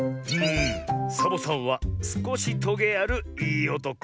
ん「サボさんはすこしトゲあるいいおとこ」。